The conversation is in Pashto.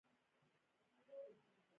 د لوګر کرومایټ څه کیفیت لري؟